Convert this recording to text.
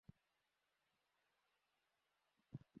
যদিও ঘাট কর্তৃপক্ষের দাবি, চারটা থেকে তারা ফেরি চলাচল বন্ধ করে দিয়েছে।